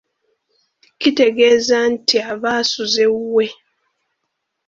Kitegeeza nti aba asuze wuwe.